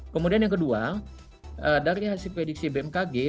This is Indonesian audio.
kemudian yang kedua dari hasil prediksi bmkg